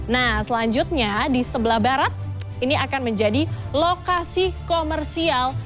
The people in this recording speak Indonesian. nah selanjutnya di sebelah barat ini akan menjadi lokasi komersial